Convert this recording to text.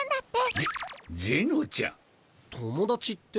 友達って。